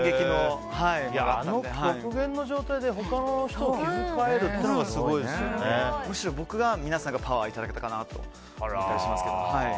あの極限の状態で他の人を気遣えるっていうのがむしろ僕が皆さんからパワーをいただけたかなと思ったりしますけど。